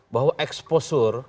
bahwa eksposur ke pemimpinan